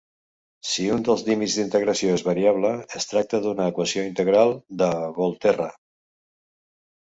Si un dels límits d'integració és variable, es tracta d'una equació integral de Volterra.